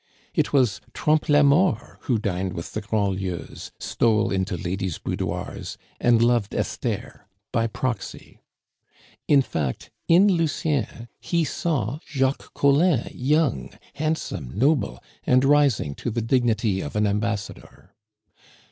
It was Trompe la Mort who dined with the Grandlieus, stole into ladies' boudoirs, and loved Esther by proxy. In fact, in Lucien he saw Jacques Collin, young, handsome, noble, and rising to the dignity of an ambassador.